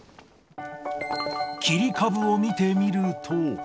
切り株を見てみると。